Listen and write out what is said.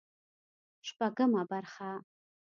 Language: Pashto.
شپږمه برخه